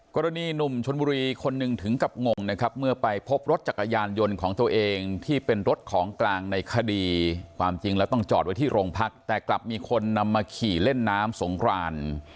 กรณีหนุ่มชนบุรีคนหนึ่งถึงกับงงนะครับเมื่อไปพบรถจักรยานยนต์ของตัวเองที่เป็นรถของกลางในคดีความจริงแล้วต้องจอดไว้ที่โรงพักแต่กลับมีคนนำมาขี่เล่นน้ำสงคราน